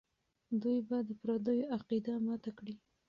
دوی به د پردیو عقیده ماته کړي.